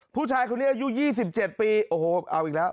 ผู้ชายคนนี้อายุยี่สิบเจ็ดปีโอ้โหเอาอีกแล้ว